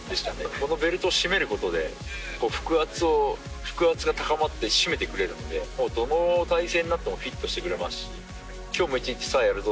このベルト締めることで、腹圧を、腹圧が高まって締めてくれるので、もうどの体勢になってもフィットしてくれますし、きょうも一日さあやるぞ！